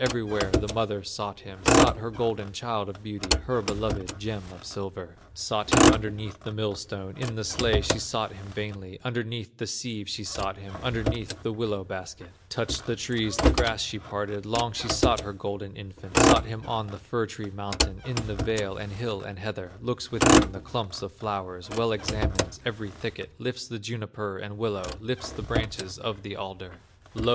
Everywhere the mother sought him, Sought her golden child of beauty, Her beloved gem of silver; Sought him underneath the millstone, In the sledge she sought him vainly, Underneath the sieve she sought him, Underneath the willow basket, Touched the trees, the grass she parted, Long she sought her golden infant, Sought him on the fir tree mountain, In the vale, and hill, and heather; Looks within the clumps of flowers, Well examines every thicket, Lifts the juniper and willow, Lifts the branches of the alder. Lo!